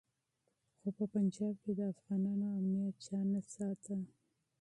خو په پنجاب کي د افغانانو امنیت چا نه ساته.